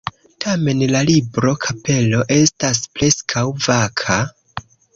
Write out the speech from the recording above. Tamen, la libro-kapelo estas preskaŭ vaka.